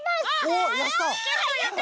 おっやった！